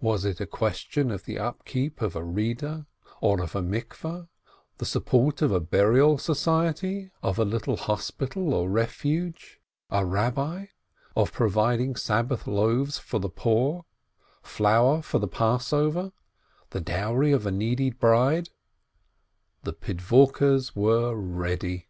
"Was it a question of the upkeep of a Header or of a bath, the support of a burial society, of a little hospital or refuge, a Rabbi, of providing Sab bath loaves for the poor, flour for the Passover, the dowry of a needy bride — the Pidvorkes were ready